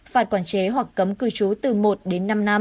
phạt quản chế hoặc cấm cư trú từ một đến năm năm